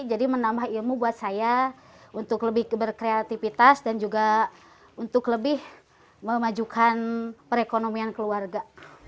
menambah ilmu buat saya untuk lebih berkreativitas dan juga untuk lebih memajukan perekonomian keluarga